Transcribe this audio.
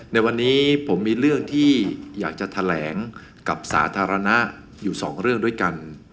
ในวันนี้ผมมีเรื่องที่อยากจะแถลงกับสาธารณะอยู่สองเรื่องด้วยกัน